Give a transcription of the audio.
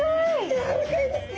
やわらかいですね。